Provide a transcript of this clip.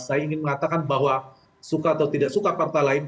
saya ingin mengatakan bahwa suka atau tidak suka partai lain